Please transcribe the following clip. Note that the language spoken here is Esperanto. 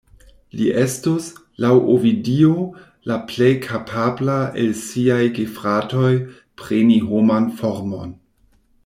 Li estus, laŭ Ovidio, la plej kapabla el siaj gefratoj preni homan formon.